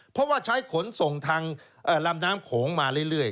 เพราะว่าใช้ขนส่งทางลำน้ำโขงมาเรื่อย